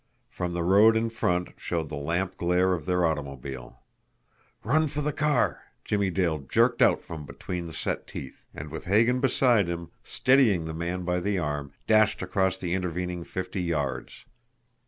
From the road in front showed the lamp glare of their automobile. "Run for the car!" Jimmie Dale jerked out from between set teeth and with Hagan beside him, steadying the man by the arm, dashed across the intervening fifty yards.